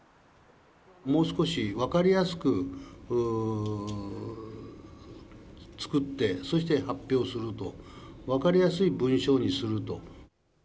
もう少し分かりやすく作って、そして発表すると、分かりやすい文章にすると。